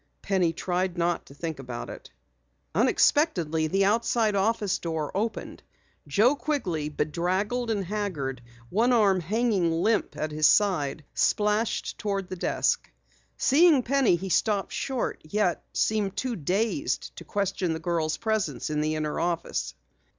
Penny tried not to think about it. Unexpectedly, the outside office door opened. Joe Quigley, bedraggled and haggard, one arm hanging limp at his side, splashed toward the desk. Seeing Penny, he stopped short, yet seemed too dazed to question the girl's presence in the inner office.